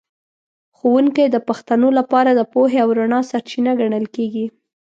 ښوونکی د پښتنو لپاره د پوهې او رڼا سرچینه ګڼل کېږي.